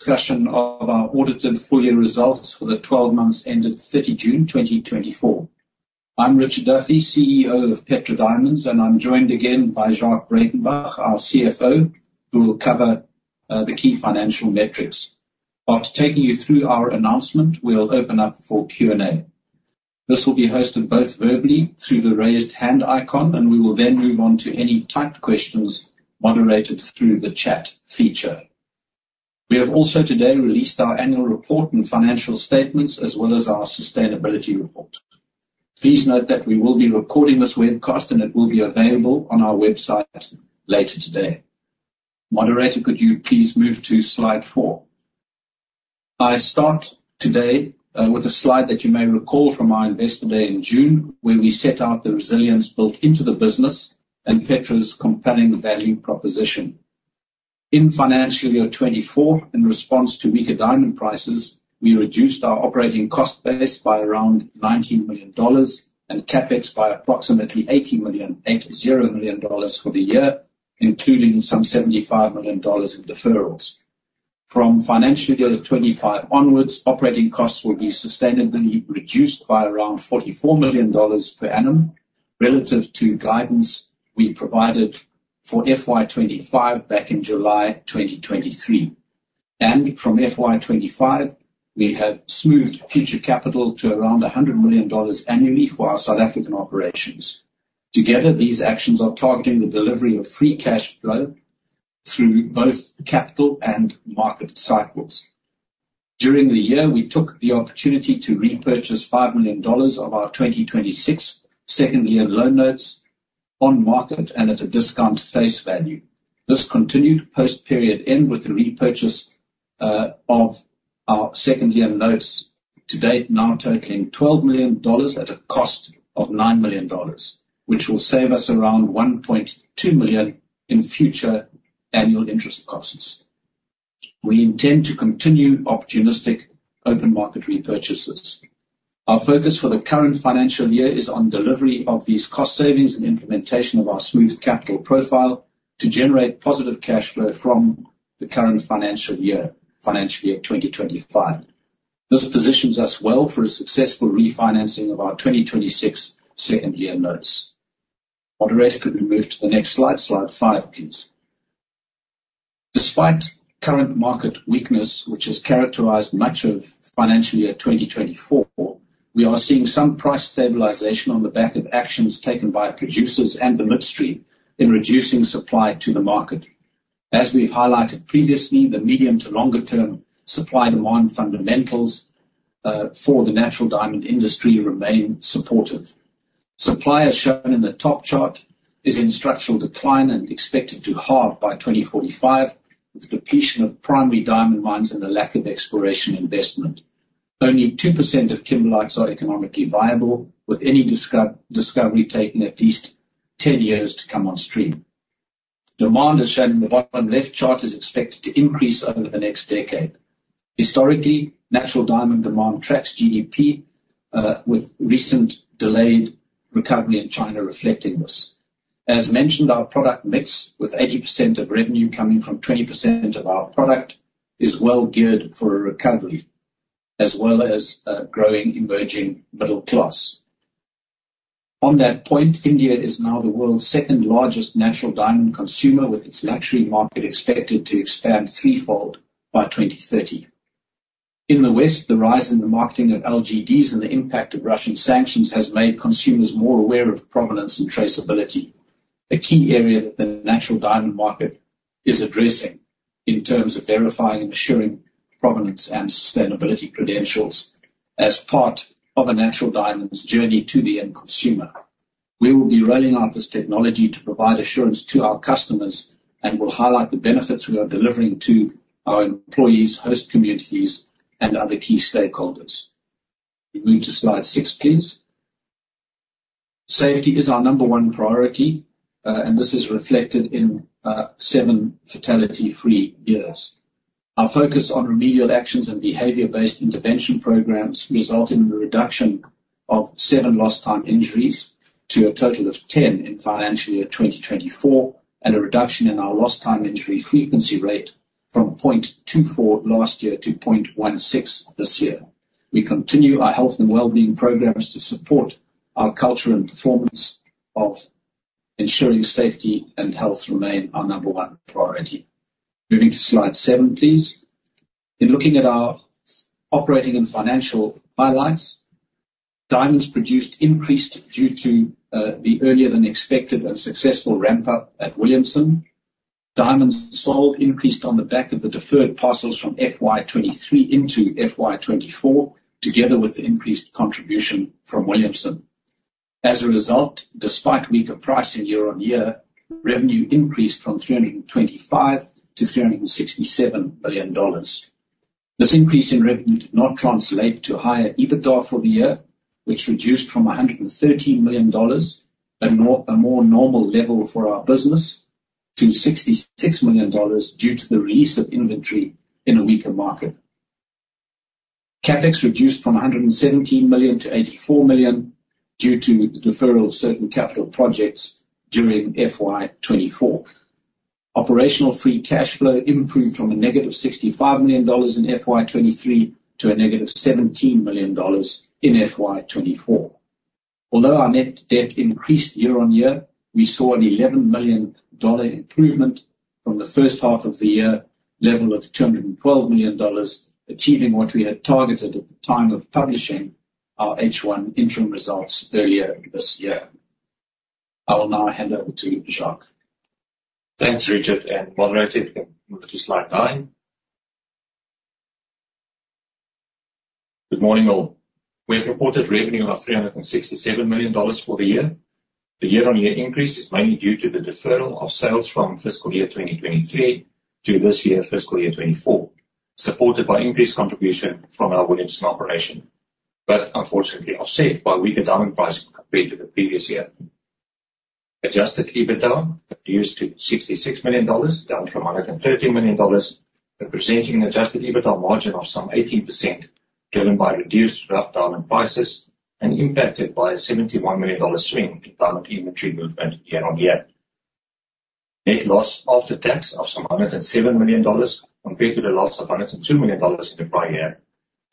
Discussion of our Audited Full Year Results for the 12 months ended 30 June 2024. I'm Richard Duffy, CEO of Petra Diamonds, and I'm joined again by Jacques Breytenbach, our CFO, who will cover the key financial metrics. After taking you through our announcement, we'll open up for Q&A. This will be hosted both verbally through the raised hand icon, and we will then move on to any typed questions moderated through the chat feature. We have also today released our annual report and financial statements, as well as our sustainability report. Please note that we will be recording this webcast, and it will be available on our website later today. Moderator, could you please move to slide four? I start today with a slide that you may recall from our Investor Day in June, where we set out the resilience built into the business and Petra's compelling value proposition. In financial year 2024, in response to weaker diamond prices, we reduced our operating cost base by around $19 million, and CapEx by approximately $80 million for the year, including some $75 million in deferrals. From financial year 2025 onwards, operating costs will be sustainably reduced by around $44 million per annum relative to guidance we provided for FY 2025 back in July 2023. And from FY 2025, we have smoothed future capital to around $100 million annually for our South African operations. Together, these actions are targeting the delivery of free cash flow through both capital and market cycles. During the year, we took the opportunity to repurchase $5 million of our 2026 second lien notes on market and at a discount to face value. This continued post-period end with the repurchase of our second lien notes to date, now totaling $12 million at a cost of $9 million, which will save us around $1.2 million in future annual interest costs. We intend to continue opportunistic open market repurchases. Our focus for the current financial year is on delivery of these cost savings and implementation of our smooth capital profile to generate positive cash flow from the current financial year, financial year 2025. This positions us well for a successful refinancing of our 2026 second lien notes. Moderator, could we move to the next slide, slide five, please. Despite current market weakness, which has characterized much of financial year 2024, we are seeing some price stabilization on the back of actions taken by producers and the midstream in reducing supply to the market. As we've highlighted previously, the medium to longer term supply-demand fundamentals for the natural diamond industry remain supportive. Supply, as shown in the top chart, is in structural decline and expected to halve by 2045, with depletion of primary diamond mines and a lack of exploration investment. Only 2% of kimberlites are economically viable, with any discovery taking at least 10 years to come on stream. Demand, as shown in the bottom left chart, is expected to increase over the next decade. Historically, natural diamond demand tracks GDP, with recent delayed recovery in China reflecting this. As mentioned, our product mix, with 80% of revenue coming from 20% of our product, is well geared for a recovery, as well as a growing emerging middle class. On that point, India is now the world's second-largest natural diamond consumer, with its luxury market expected to expand threefold by 2030. In the West, the rise in the marketing of LGDs and the impact of Russian sanctions has made consumers more aware of provenance and traceability, a key area that the natural diamond market is addressing in terms of verifying and assuring provenance and sustainability credentials as part of a natural diamond's journey to the end consumer. We will be rolling out this technology to provide assurance to our customers, and will highlight the benefits we are delivering to our employees, host communities, and other key stakeholders. We move to slide six, please. Safety is our number one priority, and this is reflected in seven fatality-free years. Our focus on remedial actions and behavior-based intervention programs resulted in a reduction of seven lost time injuries to a total of 10 in financial year 2024, and a reduction in our lost time injury frequency rate from 0.24 last year to 0.16 this year. We continue our health and wellbeing programs to support our culture and performance of ensuring safety and health remain our number one priority. Moving to slide 7, please. In looking at our operating and financial highlights, diamonds produced increased due to the earlier than expected and successful ramp-up at Williamson. Diamonds sold increased on the back of the deferred parcels from FY 2023 into FY 2024, together with the increased contribution from Williamson. As a result, despite weaker pricing year-on-year, revenue increased from $325 million-$367 million. This increase in revenue did not translate to higher EBITDA for the year, which reduced from $113 million, a more normal level for our business, to $66 million, due to the release of inventory in a weaker market. CapEx reduced from $117 million-$84 million, due to the deferral of certain capital projects during FY 2024. Operational free cash flow improved from negative $65 million in FY 2023 to negative $17 million in FY 2024. Although our net debt increased year-on-year, we saw an $11 million improvement from the first half of the year, level of $212 million, achieving what we had targeted at the time of publishing our H1 interim results earlier this year. I will now hand over to Jacques. Thanks, Richard, and moderator, move to slide 9. Good morning, all. We have reported revenue of $367 million for the year. The year-on-year increase is mainly due to the deferral of sales from fiscal year 2023 to this year, fiscal year 2024, supported by increased contribution from our Williamson operation, but unfortunately, offset by weaker diamond price compared to the previous year. Adjusted EBITDA reduced to $66 million, down from $113 million, representing an adjusted EBITDA margin of some 18%, driven by reduced rough diamond prices and impacted by a $71 million swing in diamond inventory movement year-on-year. Net loss after tax of some $107 million, compared to the loss of $102 million in the prior year,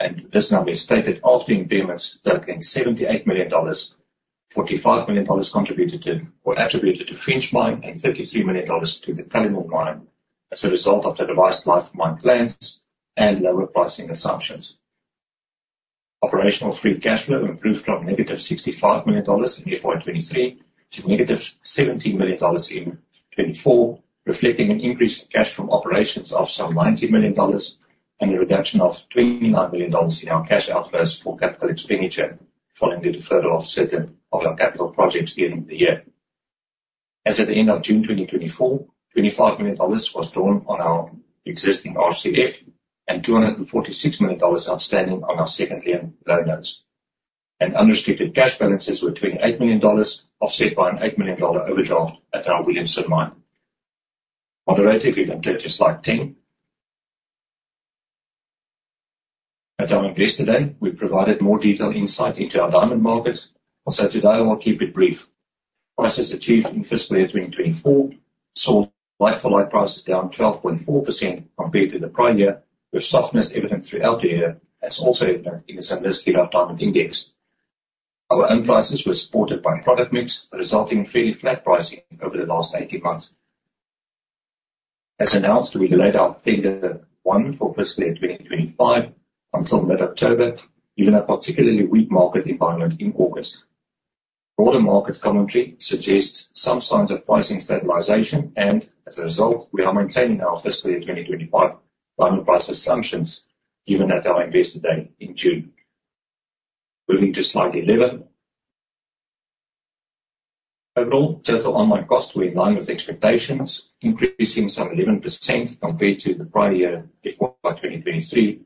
and this number is stated after impairments totaling $78 million: $45 million contributed to or attributed to Finsch Mine, and $33 million to the Cullinan Mine, as a result of the revised life of mine plans and lower pricing assumptions. Operational free cash flow improved from negative $65 million in FY 2023 to negative $17 million in 2024, reflecting an increase in cash from operations of some $90 million and a reduction of $29 million in our cash outflows for capital expenditure, following the deferral of certain of our capital projects during the year. As at the end of June 2024, $25 million was drawn on our existing RCF, and $246 million outstanding on our second lien loan notes, and unrestricted cash balances were $28 million, offset by an $8 million overdraft at our Williamson Mine. Moderator, if you can click to slide 10. At our investor day, we provided more detailed insight into our diamond market, and so today I will keep it brief. Prices achieved in fiscal year 2024 saw like-for-like prices down 12.4% compared to the prior year, with softness evident throughout the year, as also evident in the Zimnisky Diamond Index. Our own prices were supported by product mix, resulting in fairly flat pricing over the last 18 months. As announced, we delayed our Tender 1 for fiscal year 2025 until mid-October, given a particularly weak market environment in August. Broader market commentary suggests some signs of pricing stabilization, and as a result, we are maintaining our fiscal year 2025 diamond price assumptions given at our investor day in June. Moving to slide 11. Overall, total on-mine costs were in line with expectations, increasing some 11% compared to the prior year, FY 2023,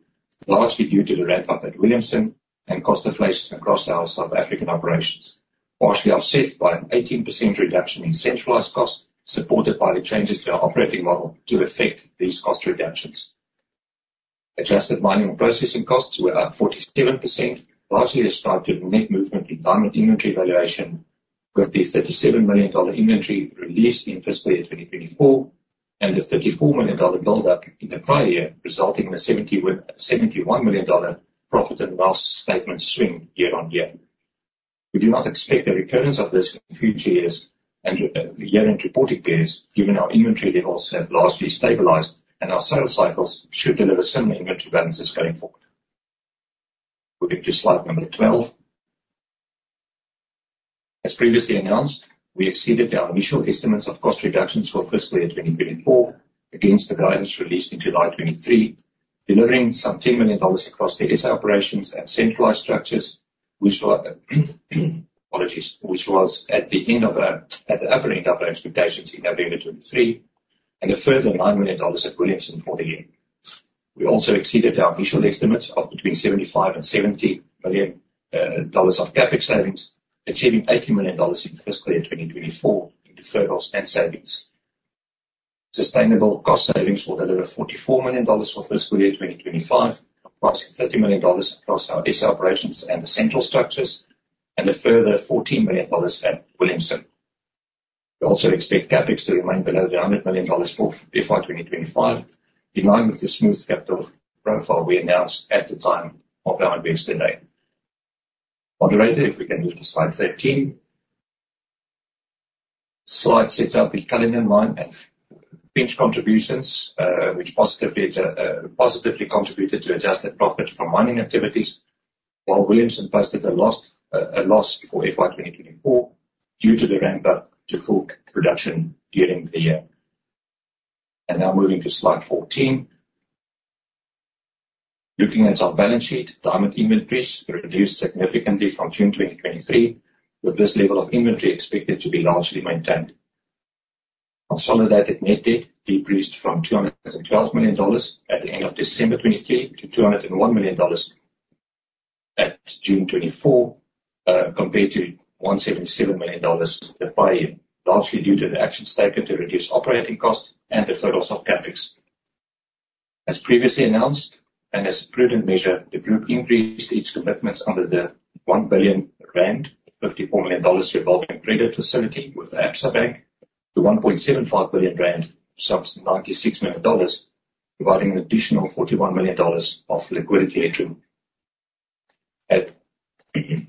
largely due to the ramp-up at Williamson and cost inflation across our South African operations, partially offset by an 18% reduction in centralized costs, supported by the changes to our operating model to effect these cost reductions. Adjusted mining and processing costs were up 47%, largely ascribed to the net movement in diamond inventory valuation, with the $37 million inventory released in fiscal year 2024, and the $34 million build-up in the prior year, resulting in a $71 million profit and loss statement swing year-on-year. We do not expect a recurrence of this in future years and year-end reporting years, given our inventory levels have largely stabilized, and our sales cycles should deliver similar inventory balances going forward. Moving to slide number 12. As previously announced, we exceeded our initial estimates of cost reductions for fiscal year 2024 against the guidance released in July 2023, delivering some $10 million across the SA operations and centralized structures, which were, apologies, which was at the upper end of our expectations in November 2023, and a further $9 million at Williamson for the year. We also exceeded our initial estimates of between $75 million-$80 million of CapEx savings, achieving $80 million in fiscal year 2024 in deferrals and savings. Sustainable cost savings will deliver $44 million for fiscal year 2025, comprising $30 million across our SA operations and the central structures, and a further $14 million at Williamson. We also expect CapEx to remain below $100 million for FY 2025, in line with the smooth capital profile we announced at the time of our investor day. Moderator, if we can move to slide 13. Slide 13 sets out the Cullinan Mine and Finsch contributions, which positively contributed to adjusted profit from mining activities, while Williamson posted a loss for FY 2024 due to the ramp-up to full production during the year. Now moving to slide 14. Looking at our balance sheet, diamond inventories reduced significantly from June 2023, with this level of inventory expected to be largely maintained. Consolidated net debt decreased from $212 million at the end of December 2023 to $201 million. at June 2024, compared to $177 million the prior year, largely due to the actions taken to reduce operating costs and deferral of some CapEx. As previously announced, and as a prudent measure, the group increased its commitments under the 1 billion rand, $54 million revolving credit facility with Absa Bank to 1.75 billion rand, some $96 million, providing an additional $41 million of liquidity headroom. And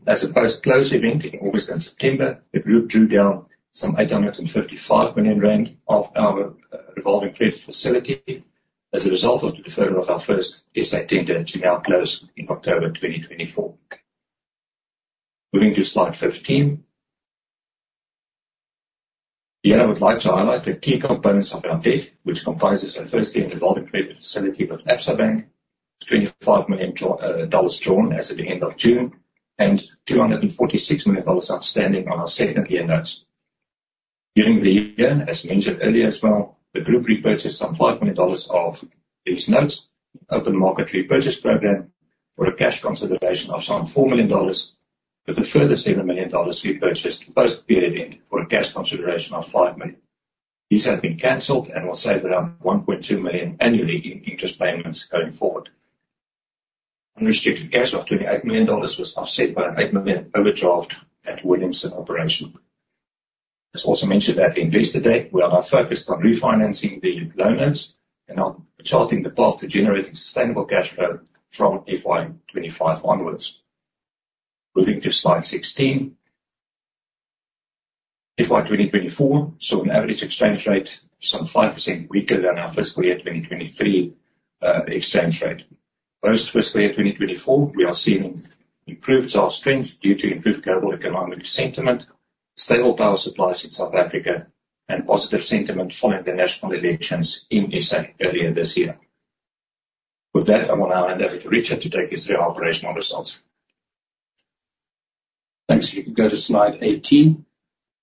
as a post-close event in August and September, the group drew down some 855 million rand of our revolving credit facility as a result of the deferral of our first SA tender, to now close in October 2024. Moving to slide 15. Here, I would like to highlight the key components of our debt, which comprises a first lien revolving credit facility with Absa Bank, $25 million drawn as at the end of June, and $246 million outstanding on our second lien notes. During the year, as mentioned earlier as well, the group repurchased some $5 million of these notes, open market repurchase program, for a cash consideration of some $4 million, with a further $7 million repurchased post-period event for a cash consideration of $5 million. These have been canceled and will save around $1.2 million annually in interest payments going forward. Unrestricted cash of $28 million was offset by an $8 million overdraft at Williamson operation. As also mentioned at Investor Day, we are now focused on refinancing the loans and on charting the path to generating sustainable cash flow from FY 2025 onwards. Moving to slide 16. FY 2024 saw an average exchange rate some 5% weaker than our fiscal year 2023 exchange rate. Post-fiscal year 2024, we are seeing improved dollar strength due to improved global economic sentiment, stable power supplies in South Africa, and positive sentiment following the national elections in SA earlier this year. With that, I will now hand over to Richard to take you through our operational results. Thanks. If you could go to slide 18.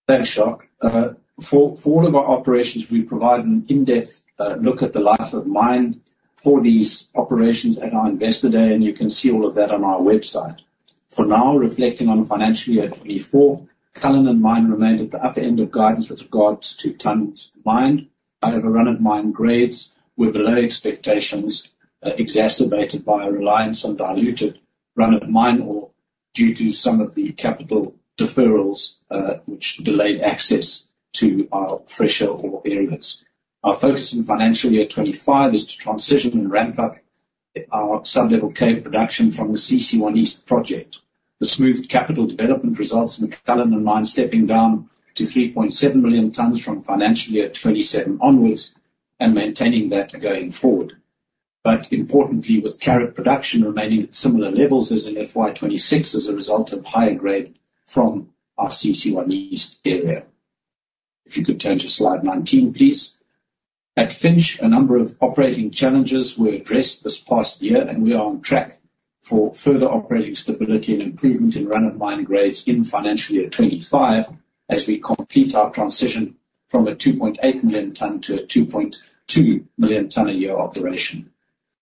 Thanks, Jacques. For all of our operations, we provide an in-depth look at the life of mine for these operations at our Investor Day, and you can see all of that on our website. For now, reflecting on financial year 2024, Cullinan Mine remained at the upper end of guidance with regards to tonnes mined, however, run-of-mine grades were below expectations, exacerbated by a reliance on diluted run-of-mine ore, due to some of the capital deferrals, which delayed access to our fresher ore areas. Our focus in financial year 2025 is to transition and ramp up our Sub-Level Cave production from the CC1 East project. The smooth capital development results in the Cullinan Mine stepping down to 3.7 million tonnes from financial year 2027 onwards, and maintaining that going forward. But importantly, with carat production remaining at similar levels as in FY 2026 as a result of higher grade from our CC1 East area. If you could turn to slide 19, please. At Finsch, a number of operating challenges were addressed this past year, and we are on track for further operating stability and improvement in run-of-mine grades in financial year 2025, as we complete our transition from a 2.8 million tonnes-2.2 million tonnes a year operation.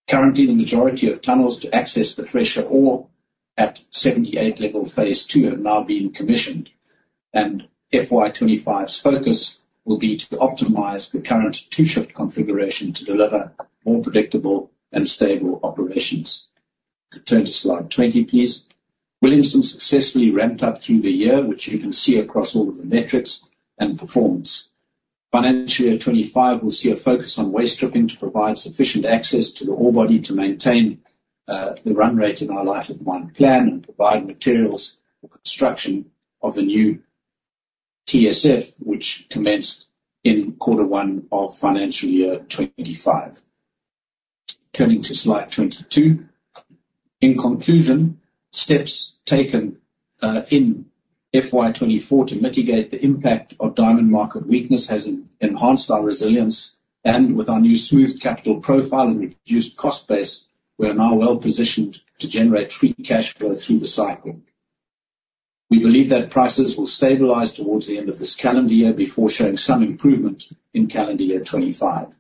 Currently, the majority of tunnels to access the fresher ore at 78 Level Phase 2 have now been commissioned, and FY 2025's focus will be to optimize the current two-shift configuration to deliver more predictable and stable operations. Could turn to slide 20, please. Williamson successfully ramped up through the year, which you can see across all of the metrics and performance. Financial year 2025 will see a focus on waste stripping to provide sufficient access to the ore body to maintain the run rate in our life of mine plan, and provide materials for construction of the new TSF, which commenced in quarter one of financial year 2025. Turning to slide 22. In conclusion, steps taken in FY 2024 to mitigate the impact of diamond market weakness has enhanced our resilience, and with our new smooth capital profile and reduced cost base, we are now well positioned to generate free cash flow through the cycle. We believe that prices will stabilize towards the end of this calendar year, before showing some improvement in calendar year 2025.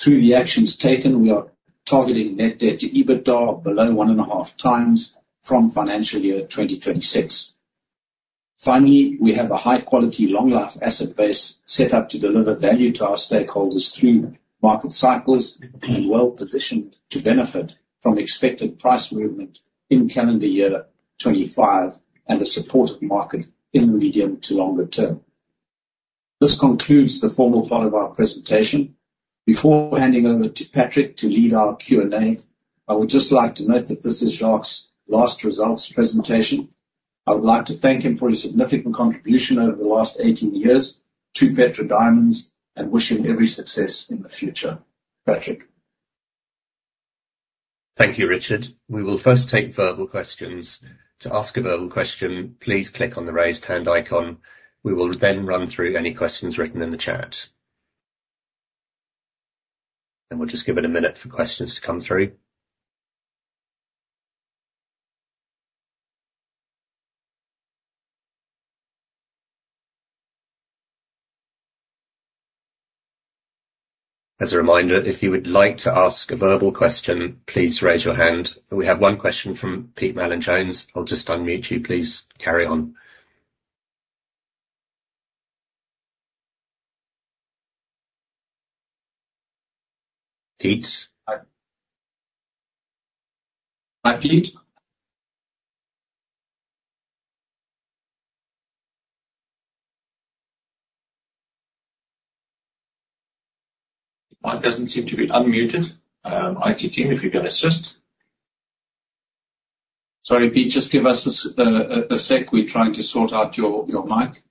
Through the actions taken, we are targeting net debt to EBITDA below one and a half times from financial year 2026. Finally, we have a high-quality, long-life asset base set up to deliver value to our stakeholders through market cycles, and well-positioned to benefit from expected price movement in calendar year 2025, and a supportive market in the medium to longer term. This concludes the formal part of our presentation. Before handing over to Patrick to lead our Q&A, I would just like to note that this is Jacques last results presentation. I would like to thank him for his significant contribution over the last 18 years to Petra Diamonds, and wish him every success in the future. Patrick? Thank you, Richard. We will first take verbal questions. To ask a verbal question, please click on the Raise Hand icon. We will then run through any questions written in the chat. And we'll just give it a minute for questions to come through. ...As a reminder, if you would like to ask a verbal question, please raise your hand. We have one question from Peter Mallin-Jones. I'll just unmute you. Please, carry on. Pete? Hi, Pete. Mike doesn't seem to be unmuted. IT team, if you can assist. Sorry, Pete, just give us a sec. We're trying to sort out your mic.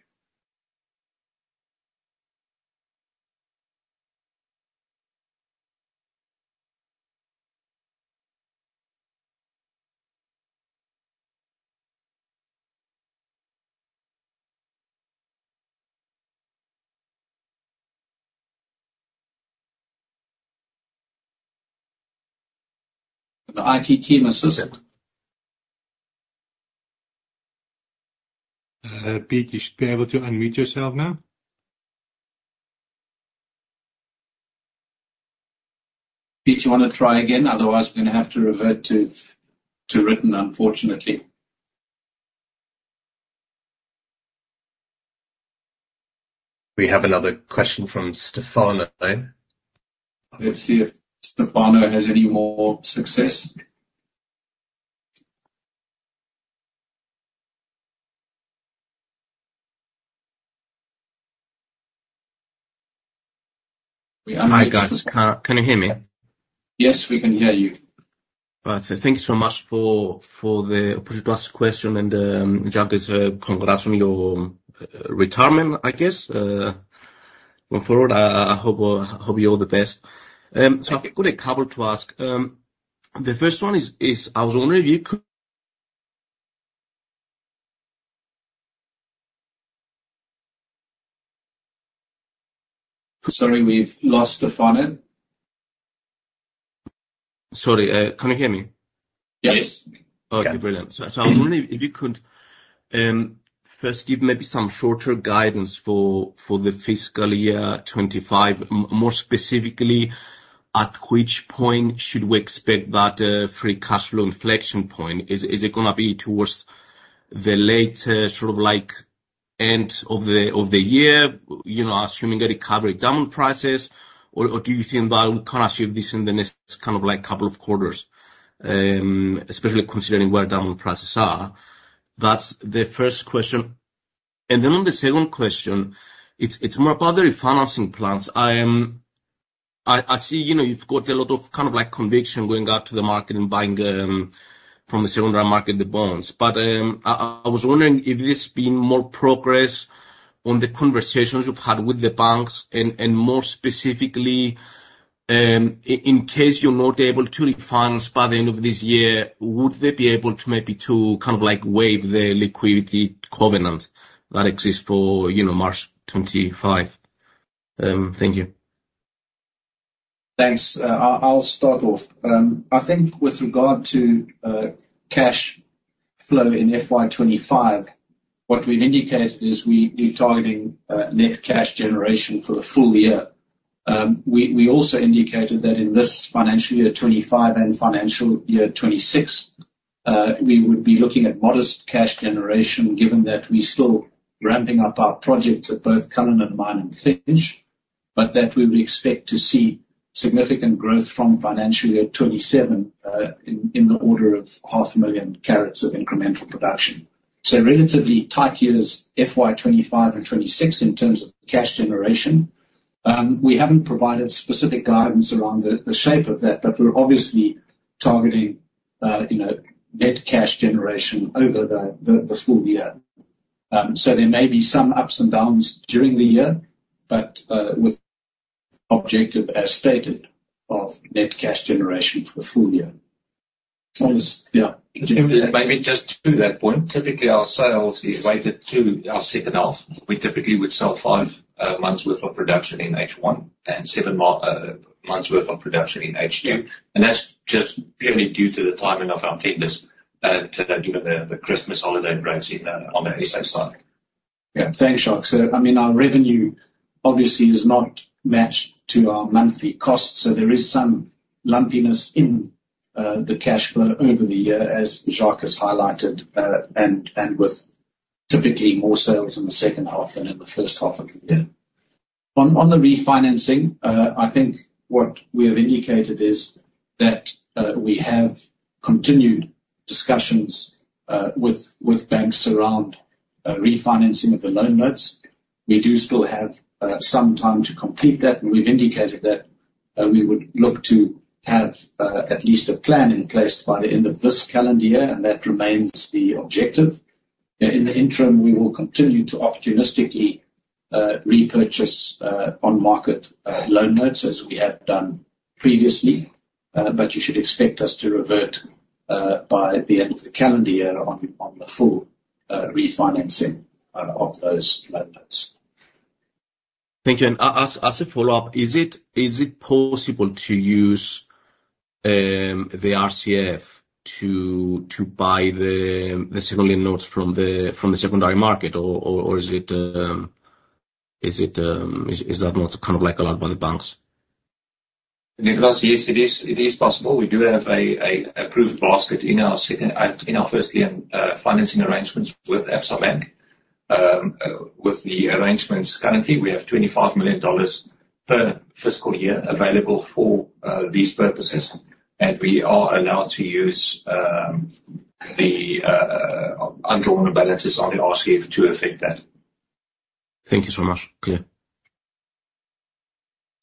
Can the IT team assist? Pete, you should be able to unmute yourself now. Pete, you wanna try again? Otherwise, we're gonna have to revert to written, unfortunately. We have another question from Stefano. Let's see if Stefano has any more success. We are- Hi, guys. Can you hear me? Yes, we can hear you. All right. So thank you so much for the opportunity to ask a question, and, Jacques, congrats on your retirement, I guess. Going forward, I hope you all the best. So I've got a couple to ask. The first one is I was wondering if you could- Sorry, we've lost Stefano. Sorry, can you hear me? Yes. Okay, brilliant. So I was wondering if you could first give maybe some shorter guidance for the fiscal year 2025. More specifically, at which point should we expect that free cash flow inflection point? Is it gonna be towards the late sort of like end of the year, you know, assuming a recovery diamond prices? Or do you think that we can achieve this in the next kind of like couple of quarters, especially considering where diamond prices are? That's the first question. And then on the second question, it's more about the refinancing plans. I see, you know, you've got a lot of kind of like conviction going out to the market and buying from the secondary market, the bonds. I was wondering if there's been more progress on the conversations you've had with the banks, and more specifically, in case you're not able to refinance by the end of this year, would they be able to maybe kind of like waive the liquidity covenant that exists for, you know, March 25? Thank you. Thanks. I'll start off. I think with regard to cash flow in FY 2025, what we've indicated is we'll be targeting net cash generation for the full year. We also indicated that in this financial year 2025 and financial year 2026, we would be looking at modest cash generation, given that we're still ramping up our projects at both Cullinan Mine and Finsch Mine, but that we would expect to see significant growth from financial year 2027 in the order of 500,000 carats of incremental production. So relatively tight years, FY 2025 and 2026, in terms of cash generation. We haven't provided specific guidance around the shape of that, but we're obviously targeting, you know, net cash generation over the full year. So there may be some ups and downs during the year, but with objective, as stated, of net cash generation for the full year. Yeah. Maybe just to that point, typically our sales is weighted to our second half. We typically would sell five months worth of production in H1, and seven months worth of production in H2. Yeah. That's just purely due to the timing of our tenders to do with the Christmas holiday breaks in on the ASAP side. Yeah. Thanks, Jacques. So I mean, our revenue obviously is not matched to our monthly costs, so there is some lumpiness in the cash flow over the year, as Jacques has highlighted, and with typically more sales in the second half than in the first half of the year. Yeah. On the refinancing, I think what we have indicated is that we have continued discussions with banks around refinancing of the loan notes. We do still have some time to complete that, and we've indicated that we would look to have at least a plan in place by the end of this calendar year, and that remains the objective. In the interim, we will continue to opportunistically repurchase on market loan notes, as we had done previously, but you should expect us to revert by the end of the calendar year on the full refinancing of those loan notes. Thank you. And as a follow-up, is it possible to use... the RCF to buy the secondary notes from the secondary market, or is it not kind of like allowed by the banks? Nicholas, yes, it is possible. We do have a approved basket in our first year financing arrangements with Absa Bank. With the arrangements currently, we have $25 million per fiscal year available for these purposes, and we are allowed to use the undrawn balances on the RCF to effect that. Thank you so much. Clear.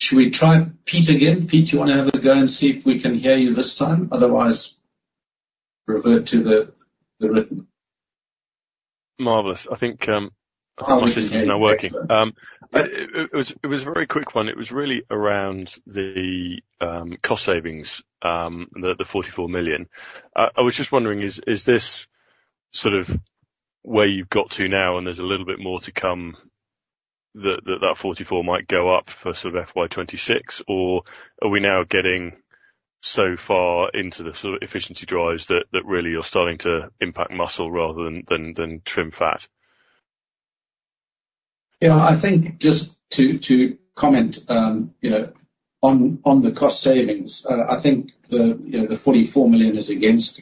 Should we try Pete again? Pete, do you wanna have a go and see if we can hear you this time? Otherwise, revert to the written. Marvelous. I think, my system is now working. It was a very quick one. It was really around the cost savings, the 44 million. I was just wondering, is this sort of where you've got to now, and there's a little bit more to come, that 44 might go up for sort of FY 2026? Or are we now getting so far into the sort of efficiency drives that really you're starting to impact muscle rather than trim fat? Yeah, I think just to comment, you know, on the cost savings, I think the, you know, the 44 million is against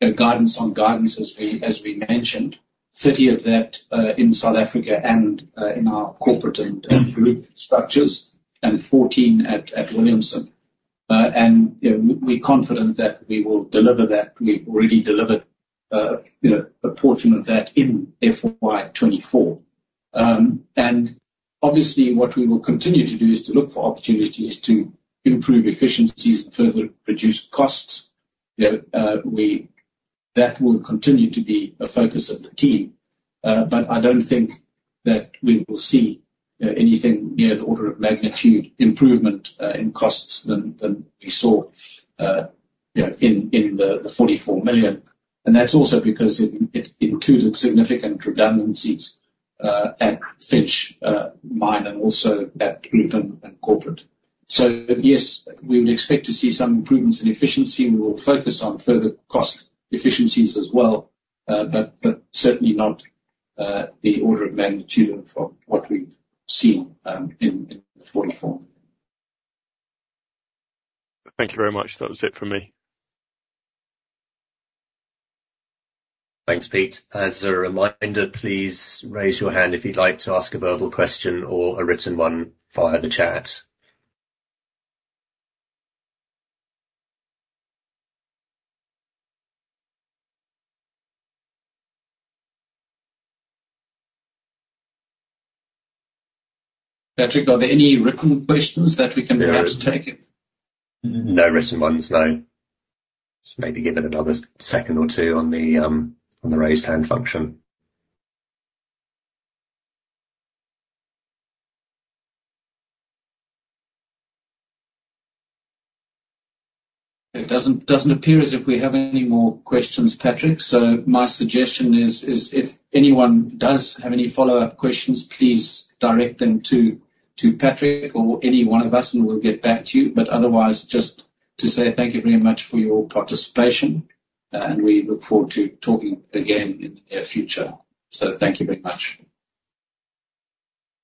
a guidance on guidance, as we mentioned, 30 of that in South Africa and in our corporate and group structures, and 14 at Williamson. And, you know, we're confident that we will deliver that. We've already delivered, you know, a portion of that in FY 2024. And obviously what we will continue to do is to look for opportunities to improve efficiencies and further reduce costs. You know, that will continue to be a focus of the team, but I don't think that we will see anything near the order of magnitude improvement in costs than we saw, you know, in the 44 million. And that's also because it included significant redundancies at Finsch Mine, and also at Group and corporate. So yes, we would expect to see some improvements in efficiency. We will focus on further cost efficiencies as well, but certainly not the order of magnitude from what we've seen in the 44. Thank you very much. That was it for me. Thanks, Pete. As a reminder, please raise your hand if you'd like to ask a verbal question or a written one via the chat. Patrick, are there any written questions that we can perhaps take? No written ones, no. Just maybe give it another second or two on the raised hand function. It doesn't appear as if we have any more questions, Patrick, so my suggestion is if anyone does have any follow-up questions, please direct them to Patrick or any one of us, and we'll get back to you. But otherwise, just to say thank you very much for your participation, and we look forward to talking again in the near future. So thank you very much.